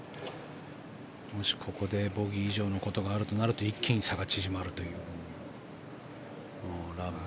もしここでボギー以上のことがあると一気に差が縮まるという。